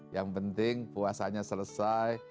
yang penting puasanya selesai